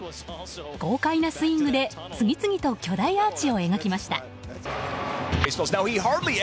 豪快なスイングで次々と巨大アーチを描きました。